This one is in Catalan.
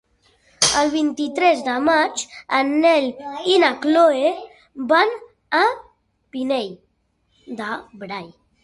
El vint-i-tres de maig en Nel i na Chloé van al Pinell de Brai.